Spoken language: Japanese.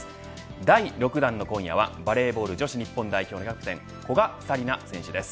第６弾の今夜はバレーボール女子日本代表のキャプテン古賀紗理那選手です。